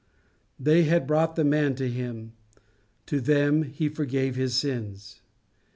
They had brought the man to him; to them he forgave his sins.